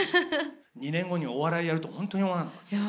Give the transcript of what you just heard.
２年後にお笑いやると本当に思わなかった。